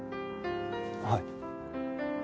はい。